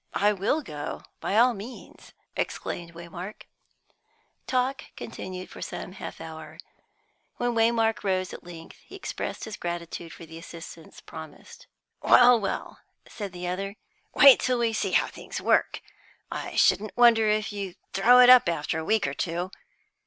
"I will go, by all means," exclaimed Waymark Talk continued for some half hour. When Waymark rose at length, he expressed his gratitude for the assistance promised. "Well, well," said the other, "wait till we see how things work. I shouldn't wonder if you throw it up after a week or two.